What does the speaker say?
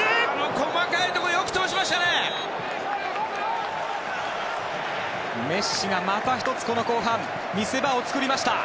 細かいところよく通しましたね！